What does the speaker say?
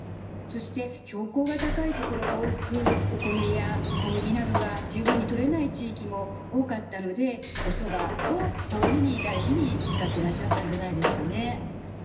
そして標高が高いところが多くお米や小麦などが十分にとれない地域も多かったのでおそばを上手に大事に使ってらっしゃったんじゃないですかね。